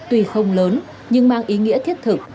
tuy không lớn nhưng mang ý nghĩa thiết thực